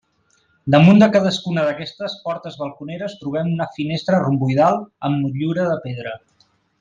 Damunt de cadascuna d'aquestes portes balconeres trobem una finestra romboidal amb motllura de pedra.